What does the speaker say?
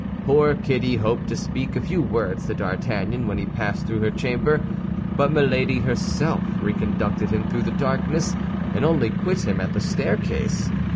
Poor Kitty hoped to speak a few words to D'Artagnan when he passed through her chamber; but Milady herself reconducted him through the darkness, and only quit him at the staircase.